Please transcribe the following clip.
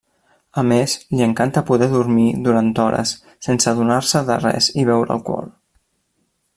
A més li encanta poder dormir durant hores sense adonar-se de res i beure alcohol.